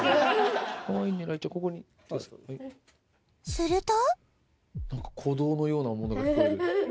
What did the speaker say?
すると。